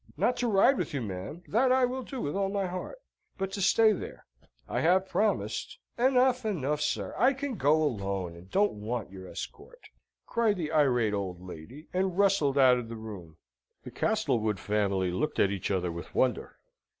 "Not to ride with you, ma'am; that I will do with all my heart; but to stay there I have promised..." "Enough, enough, sir! I can go alone, and don't want your escort," cried the irate old lady, and rustled out of the room. The Castlewood family looked at each other with wonder.